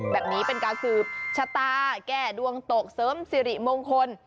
แบบนี้เป็นการสืบชะตาแก้ดวงตกเสริมสิริมงคล